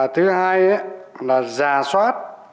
thứ hai là giả soát